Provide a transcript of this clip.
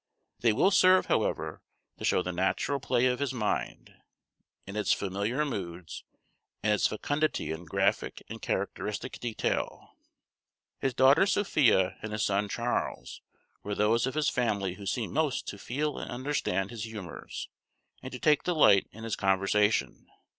They will serve, however, to show the natural play of his mind, in its familiar moods, and its fecundity in graphic and characteristic detail. His daughter Sophia and his son Charles were those of his family who seemed most to feel and understand his humors, and to take delight in his conversation.